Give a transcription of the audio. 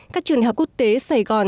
các trường hợp quốc tế sài gòn